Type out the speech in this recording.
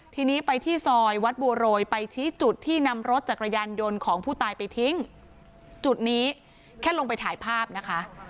ทีนี้ไปที่ซอยวัดบัวโรยไปชี้จุดที่นำรถจักรยานยนต์ของผู้ตายไปทิ้งจุดนี้แค่ลงไปถ่ายภาพนะคะ